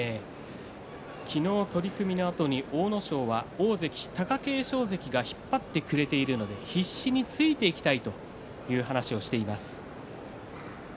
昨日、取組のあとに阿武咲は大関貴景勝関が引っ張ってくれているので必死についていきたいという話をしています。